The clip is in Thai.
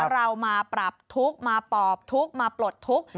เรามาปรับทุกข์มาปอบทุกข์มาปลดทุกข์